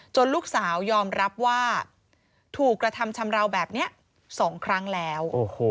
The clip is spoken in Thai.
ลูกสาวยอมรับว่าถูกกระทำชำราวแบบนี้๒ครั้งแล้ว